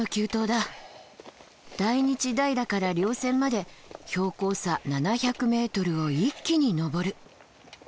大日平から稜線まで標高差７００ｍを一気に登る。